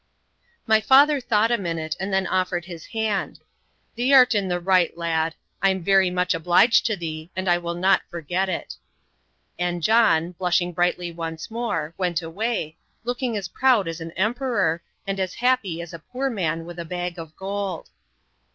My father thought a minute, and then offered his hand. "Thee'rt in the right, lad. I am very much obliged to thee, and I will not forget it." And John blushing brightly once more went away, looking as proud as an emperor, and as happy as a poor man with a bag of gold.